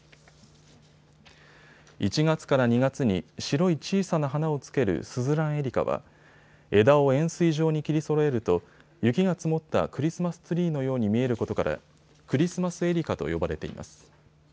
１月から２月に白い小さな花をつけるスズランエリカは枝を円すい状に切りそろえると雪が積もったクリスマスツリーのように見えることからクリスマス絵梨花と呼ばれています。